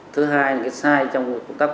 thứ hai là cái sai trong công tác quản lý